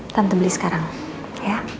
tante beli sekarang ya